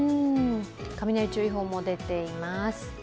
雷注意報も出ています。